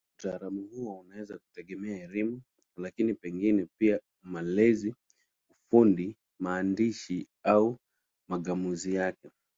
Utaalamu huo unaweza kutegemea elimu, lakini pengine pia malezi, ufundi, maandishi au mang'amuzi yake.